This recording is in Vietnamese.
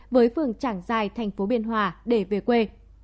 với phường chẳng dài tp biên hòa để về quê